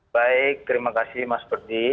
baik terima kasih mas perdi